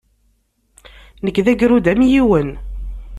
Nekk d agrud amyiwen.